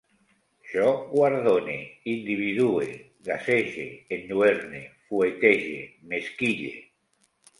Jo guardone, individue, gasege, enlluerne, fuetege, m'esquille